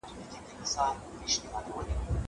تر څو چي دنرګيس سترګي بيماري جوړوم